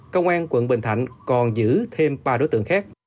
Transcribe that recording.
công an quận bình thạnh còn giữ thêm ba đối tượng khác